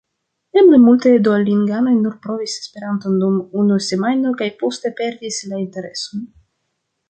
Eble multaj duolinganoj nur provis Esperanton dum unu semajno kaj poste perdis la intereson.